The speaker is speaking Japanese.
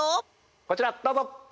こちらどうぞ！